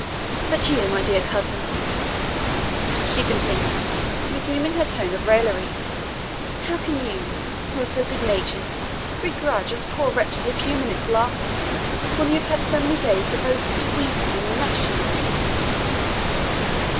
But you, my dear cousin," she continued, resuming her tone of raillery, "how can you, who are so good natured, begrudge us poor wretches a few minutes' laughing, when we have had so many days devoted to weeping and gnashing of teeth?"